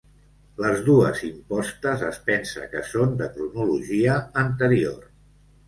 Les dues impostes es pensa que són de cronologia anterior.